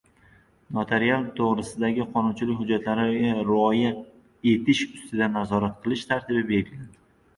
Notariat to‘g‘risidagi qonunchilik hujjatlariga rioya etilishi ustidan nazorat qilish tartibi belgilandi